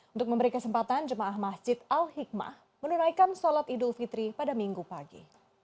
untuk memberi kesempatan jemaah masjid al hikmah menunaikan sholat idul fitri pada minggu pagi